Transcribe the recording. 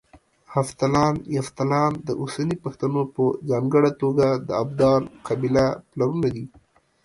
هفتلان، يفتالان د اوسني پښتنو په ځانګړه توګه د ابدال قبيله پلرونه دي